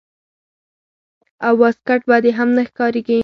او واسکټ به دې هم نه ښکارېږي.